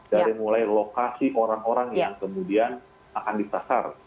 dari mulai lokasi orang orang yang kemudian akan ditasar